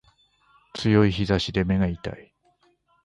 強い日差しで目が痛い